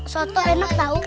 soto enak tau